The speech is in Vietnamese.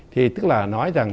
thì tức là nói rằng